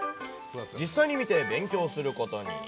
実際に見て、勉強することに。